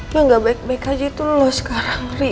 lo gak baik baik aja itu lo sekarang rik